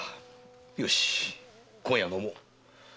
よし今夜は飲もう。